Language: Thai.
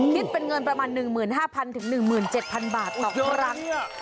คิดเป็นเงินประมาณ๑๕๐๐๑๗๐๐บาทต่อครั้ง